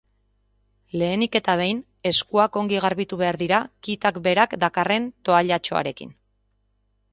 Lehenik eta behin, eskuak ongi garbitu behar dira kitak berak dakarren toallatxoarekin.